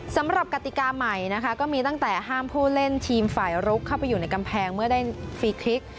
กติกาใหม่นะคะก็มีตั้งแต่ห้ามผู้เล่นทีมฝ่ายลุกเข้าไปอยู่ในกำแพงเมื่อได้ฟรีคลิก